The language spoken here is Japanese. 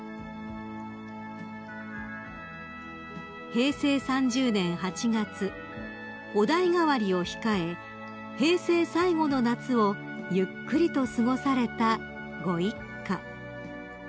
［平成３０年８月お代替わりを控え平成最後の夏をゆっくりと過ごされたご一家］